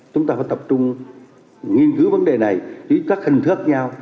chúng ta phải tập trung nghiên cứu vấn đề này với các hình thức khác nhau